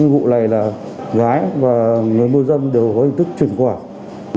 vụ này là gái và người mua dâm đều có hình thức chuyển khoản